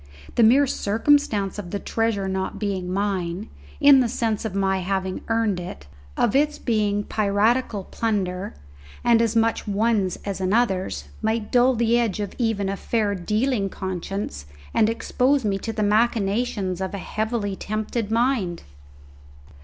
The mere circumstance of the treasure not being mine, in the sense of my having earned it, of its being piratical plunder, and as much one's as another's, might dull the edge even of a fair dealing conscience and expose me to the machinations of a heavily tempted mind.